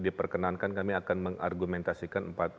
diperkenankan kami akan mengargumentasikan